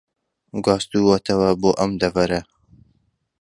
گواستووەتەوە بۆ ئەم دەڤەرە